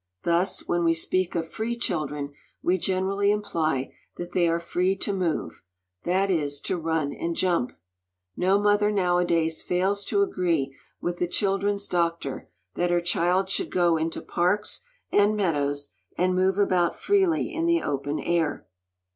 Thus, when we speak of "free children," we generally imply that they are free to move, that is, to run and jump. No mother nowadays fails to agree with the children's doctor that her child should go into parks and meadows, and move about freely in the open air.